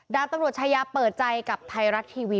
ดาบตำรวจชายาเปิดใจกับไทยรัฐทีวี